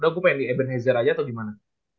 gue pengen di ebenezer aja atau gimana